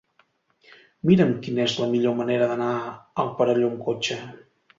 Mira'm quina és la millor manera d'anar al Perelló amb cotxe.